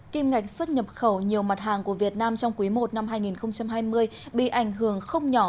kim ngạch xuất nhập khẩu nhiều mặt hàng của việt nam trong quý i năm hai nghìn hai mươi bị ảnh hưởng không nhỏ